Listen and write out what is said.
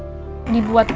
kondisi ini membuatnya